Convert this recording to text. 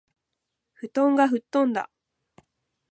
布団がふっとんだ